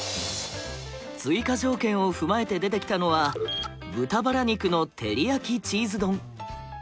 追加条件を踏まえて出てきたのは豚バラ肉の照り焼きチーズ丼。